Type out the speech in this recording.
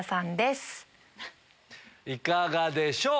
いかがでしょう？